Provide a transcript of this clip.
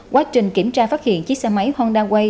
quá trình kiểm tra phát hiện chiếc xe máy honda way